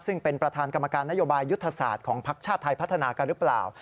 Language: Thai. ซึ่งเป็นประธานกรรมการนโยบายยุทธศาสตร์ของภักดิ์ชาติไทยพัฒนากันหรือเปล่า